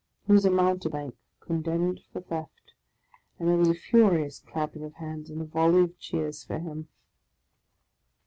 He was a mountebank condemned for theft, and there was a furious clapping of hands, and a volley of cheers, for him.